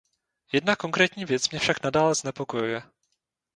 Jedna konkrétní věc mě však nadále znepokojuje.